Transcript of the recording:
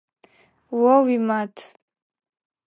О уимат.